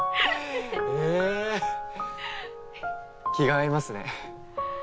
え気が合いますね。